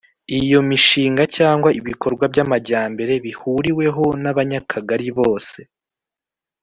iyo mishinga cyangwa ibikorwa by'amajyambere bihuriweho n'abanyakagari bose